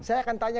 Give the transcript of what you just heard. saya akan tanya